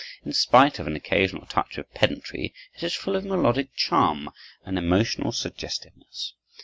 In spite of an occasional touch of pedantry, it is full of melodic charm and emotional suggestiveness.